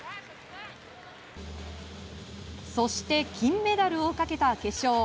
そして金メダルをかけた決勝。